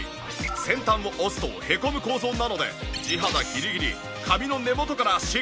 先端を押すとへこむ構造なので地肌ギリギリ髪の根元からしっかりセット可能！